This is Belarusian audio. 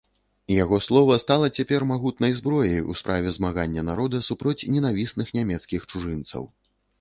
Яго слова стала цяпер магутнай зброяй у справе змагання народа супроць ненавісных нямецкіх чужынцаў.